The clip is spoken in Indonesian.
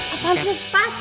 apaan sih pas